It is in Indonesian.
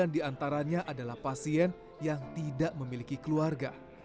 sembilan diantaranya adalah pasien yang tidak memiliki keluarga